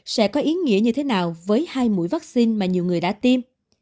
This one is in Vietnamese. sẽ có ý nghĩa như thế nào với hai mũi vaccine mà nhiều người đã tiêm